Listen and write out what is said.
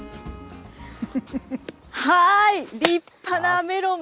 はーい、立派なメロン。